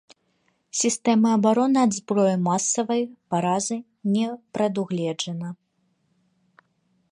Сістэмы абароны ад зброі масавай паразы не прадугледжана.